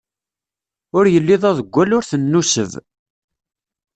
Ur yelli d aḍeggal, ur t-nnuseb.